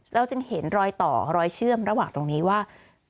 เราจึงเห็นรอยต่อรอยเชื่อมระหว่างตรงนี้ว่า